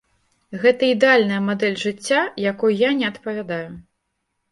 Гэта ідэальная мадэль жыцця, якой я не адпавядаю.